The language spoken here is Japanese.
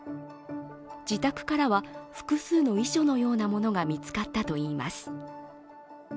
自宅からは、複数の遺書のようなものが見つかったといいます。